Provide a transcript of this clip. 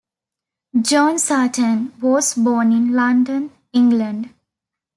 John Sartain was born in London, England.